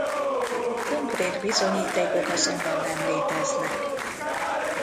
Konkrét bizonyítékok azonban nem léteznek.